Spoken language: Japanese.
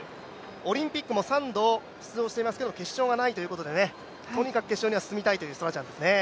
オリンピックも３度出場していますが、決勝はないということで決勝には進みたいというストラチャンですね。